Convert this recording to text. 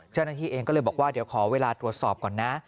เจ้าหน้าที่เองก็เลยบอกว่าเดี๋ยวขอเวลาตรวจสอบก่อนนะ